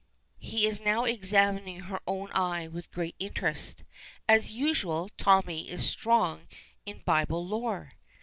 '" He is now examining her own eye with great interest. As usual, Tommy is strong in Bible lore.